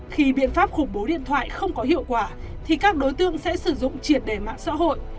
khi biện pháp khủng bố điện thoại không có hiệu quả thì các đối tượng sẽ sử dụng triệt đề mạng xã hội